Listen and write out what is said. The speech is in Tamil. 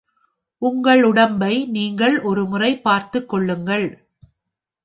உங்கள் உடம்பை நீங்கள் ஒரு முறை பார்த்துக்கொள்ளுங்கள்.